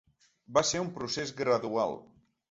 Va ser un procés gradual.